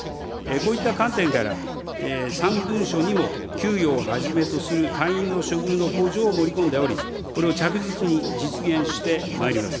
こういった観点から、３文書にも給与をはじめとする隊員の処遇の向上を盛り込んでおり、これを着実に実現してまいります。